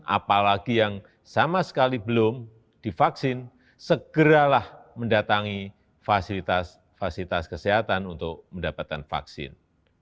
apalagi yang sama sekali belum divaksin segeralah mendatangi fasilitas fasilitas kesehatan untuk mendapatkan vaksin